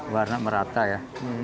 warna merata ya